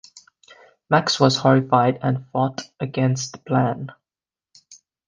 Max was horrified and fought against the plan.